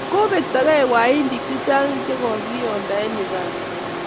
kobektagei Wahindinik chechang che kokionda eng' Uganda